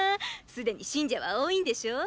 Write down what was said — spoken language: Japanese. すでに信者は多いんでしょォ？